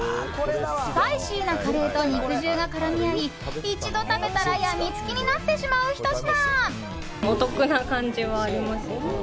スパイシーなカレーと肉汁が絡み合い一度食べたらやみつきになってしまうひと品。